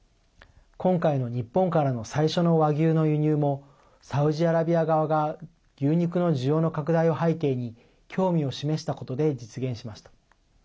今回の日本からの最初の和牛の輸入もサウジアラビア側が牛肉の需要の拡大を背景に興味を示したことで実現しました。